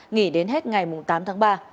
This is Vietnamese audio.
nghỉ đến hết ngày hai tháng ba